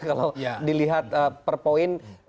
kalau dilihat per poin